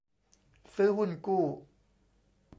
ซื้อหุ้นกู้